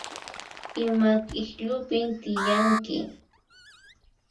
Ima k'ikllupin tiyanki?